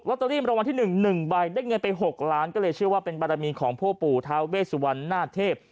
ตเตอรี่มรางวัลที่๑๑ใบได้เงินไป๖ล้านก็เลยเชื่อว่าเป็นบารมีของพ่อปู่ทาเวสุวรรณหน้าเทพ